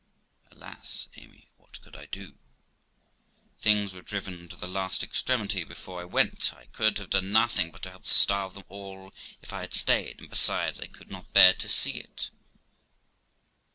Gent. Alas, Amy ! what could I do ? Things were driven to the last extremity before I went. I could have done nothing but help starve them all if I had stayed; and, besides, I could not bear to see it.